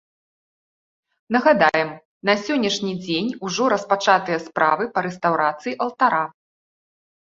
Нагадаем, на сённяшні дзень ужо распачатыя справы па рэстаўрацыі алтара.